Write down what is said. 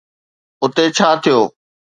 اتي ڇا ٿيو؟